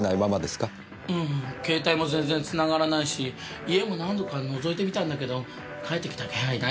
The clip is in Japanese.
携帯も全然つながらないし家も何度か覗いてみたんだけど帰ってきた気配ないし。